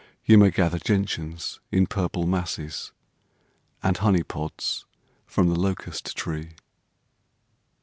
You may gather gentians in purple masses And honeypods from the locust tree.